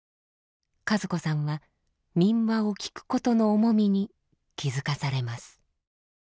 和子さんは民話をきくことの重みに気付かされます。